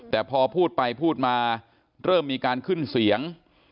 แต่พอพูดไปพูดมาเริ่มมีการขึ้นเสียง